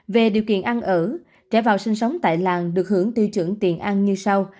về điều kiện ăn ở trẻ vào sinh sống tại làng được hưởng tiêu chuẩn tiền ăn như sau